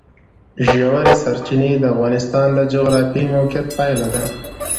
ژورې سرچینې د افغانستان د جغرافیایي موقیعت پایله ده.